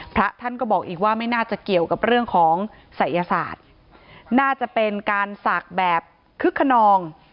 พระท่านก็บอกอีกว่าไม่น่าจะเกี่ยวกับเรื่องของศัยศาสตร์น่าจะเป็นการศักดิ์แบบคึกขนอง